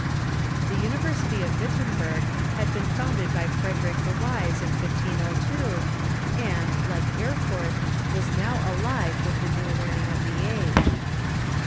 The University of Wit tenberg had been founded by Frederick the Wise in 1502, and, like Erfurt, was now alive with the new learning of the age.